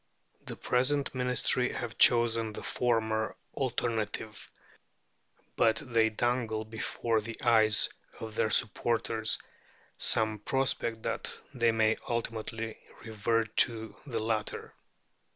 The present Ministry have chosen the former alternative, but they dangle before the eyes of their supporters some prospect that they may ultimately revert to the latter.